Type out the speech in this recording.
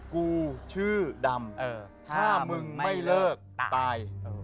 กูชื่อดำถ้ามึงไม่เลิกตาย